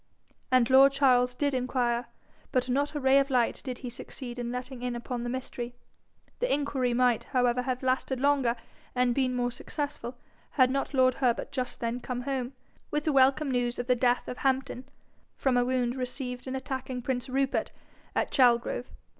And lord Charles did inquire; but not a ray of light did he succeed in letting in upon the mystery. The inquiry might, however, have lasted longer and been more successful, had not lord Herbert just then come home, with the welcome news of the death of Hampden, from a wound received in attacking prince Rupert at Chalgrove.